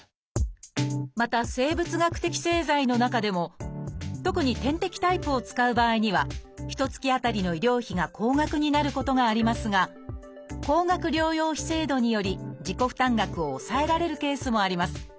また生物学的製剤の中でも特に点滴タイプを使う場合には一月あたりの医療費が高額になることがありますが高額療養費制度により自己負担額を抑えられるケースもあります。